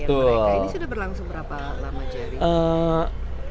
mereka ini sudah berlangsung berapa lama jerry